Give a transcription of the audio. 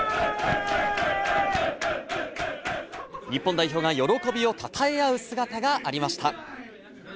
日本代表が喜びをたたえ合う姿がありました。